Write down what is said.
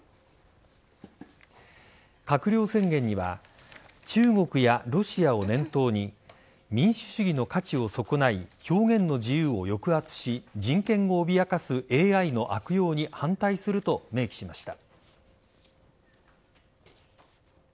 閣僚宣言には中国やロシアを念頭に民主主義の価値を損ない表現の自由を抑圧し人権を脅かすＡＩの悪用に反対すると明記しました。